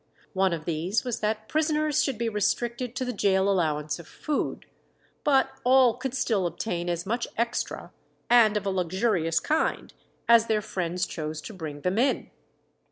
One of these was that prisoners should be restricted to the gaol allowance of food; but all could still obtain as much extra, and of a luxurious kind, as their friends chose to bring them in.